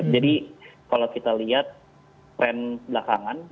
jadi kalau kita lihat trend belakangan